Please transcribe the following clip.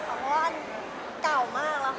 ใช่ฮะอันเก่ามาก